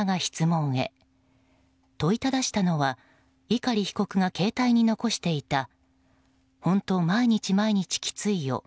問いただしたのは碇被告が携帯に残していたほんと毎日毎日きついよ。